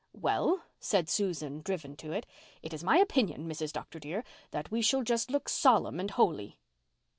"Well," said Susan, driven to it, "it is my opinion, Mrs. Dr. dear, that we shall just look solemn and holy."